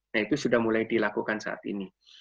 nah itu sudah mulai dilakukan saat ini